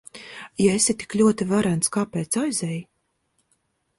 Ja esi tik ļoti varens, kāpēc aizej?